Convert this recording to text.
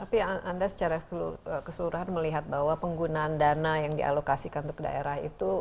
tapi anda secara keseluruhan melihat bahwa penggunaan dana yang dialokasikan untuk daerah itu